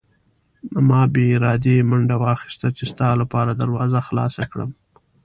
ما بې ارادې منډه واخیسته چې ستا لپاره دروازه خلاصه کړم.